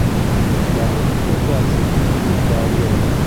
بابەتی دڵخوازم بیرکارییە.